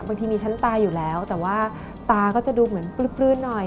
บางทีมีชั้นตาอยู่แล้วแต่ว่าตาก็จะดูเหมือนปลื่นหน่อย